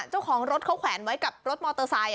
เจ้าของรถเขาแขวนไว้กับรถมอเตอร์ไซค